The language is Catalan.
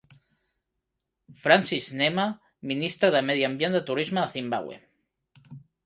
Francis Nhema, ministre de Medi Ambient i Turisme de Zimbabwe.